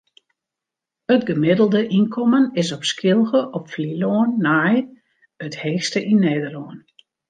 It gemiddelde ynkommen is op Skylge op Flylân nei it heechste yn Nederlân.